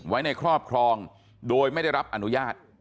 ไว้ในครอบครองโดยไม่ได้รับอนุญาต